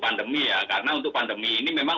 pandemi ya karena untuk pandemi ini memang